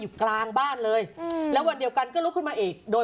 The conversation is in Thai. อยู่กลางบ้านเลยแล้ววันเดียวกันก็ลุกขึ้นมาอีกโดย